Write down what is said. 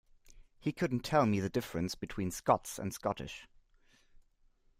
He couldn't tell me the difference between Scots and Scottish